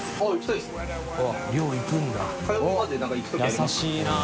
優しいなぁ。